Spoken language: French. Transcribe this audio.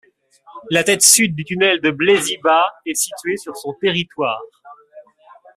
La tête sud du tunnel de Blaisy-Bas est située sur son territoire.